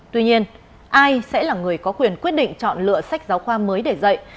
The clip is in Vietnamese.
tuy nhiên ai sẽ là người có quyền quyết định chọn lựa sách giáo khoa mới để dạy